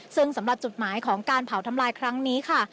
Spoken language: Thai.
ซึ่งสำหรับจุดหมายของการเผาทำลายครั้งนี้ค่ะ